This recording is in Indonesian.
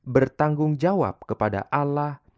bertanggung jawab kepada allah